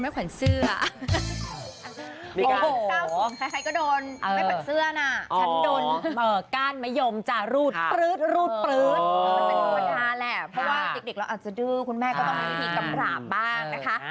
จะดูดนานเลยเพราะว่าเด็กเราอาจจะดื้อคุณแม่ก็มีขึมกำลาบบ้างนะคะ